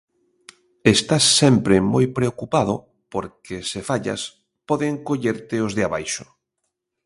Estás sempre moi preocupado porque se fallas poden collerte os de abaixo.